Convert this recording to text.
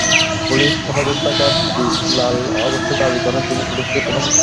পুলিশি হেফাজতে থাকা বিল্লাল অবশ্য দাবি করেন, তিনি পুলিশকে কোনো হুমকি দেননি।